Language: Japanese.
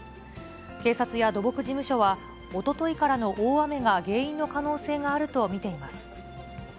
警察や土木事務所は、おとといからの大雨が原因の可能性があると見ています。